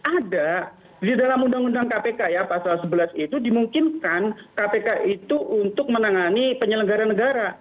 ada di dalam undang undang kpk ya pasal sebelas itu dimungkinkan kpk itu untuk menangani penyelenggara negara